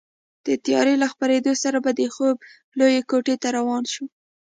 د تیارې له خپرېدو سره به د خوب لویې کوټې ته روان شوو.